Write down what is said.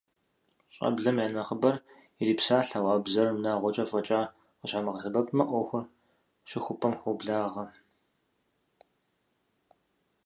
ЩӀэблэм я нэхъыбэр ирипсалъэу, ауэ бзэр унагъуэхэм фӀэкӀа къыщамыгъэсэбэпмэ, Ӏуэхур щыхупӏэм хуоблагъэ.